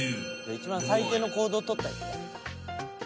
一番最低の行動を取ったやつだ。